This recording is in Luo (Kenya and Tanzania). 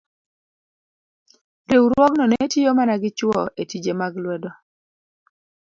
riwruogno ne tiyo mana gi chwo e tije mag lwedo.